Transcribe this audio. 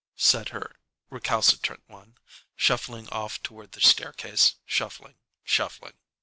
said her recalcitrant one, shuffling off toward the staircase, shuffling, shuffling.